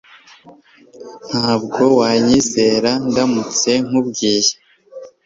Ntabwo wanyizera ndamutse nkubwiye